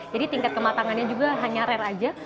jadi tingkat kematangannya juga hanya rare aja